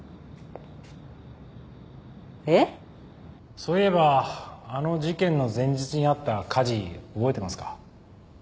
そういえばあの事件の前日にあった火事覚えてますか？